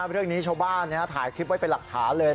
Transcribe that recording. เรื่องนี้ชาวบ้านถ่ายคลิปไว้เป็นหลักฐานเลย